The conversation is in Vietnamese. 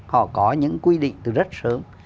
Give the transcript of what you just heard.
họ có những quy định từ rất sớm